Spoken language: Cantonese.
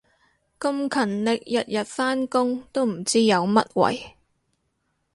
咁勤力日日返工都唔知有乜謂